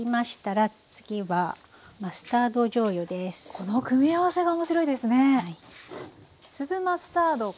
この組み合わせが面白いですね。